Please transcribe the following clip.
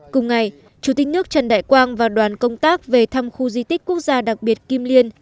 cùng ngày chủ tịch nước trần đại quang và đoàn công tác về thăm khu di tích quốc gia đặc biệt kim liên